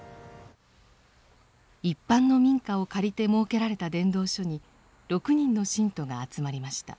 一般の民家を借りて設けられた伝道所に６人の信徒が集まりました。